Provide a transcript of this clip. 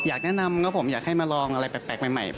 อยากแนะนำครับผมอยากให้มาลองอะไรแปลกใหม่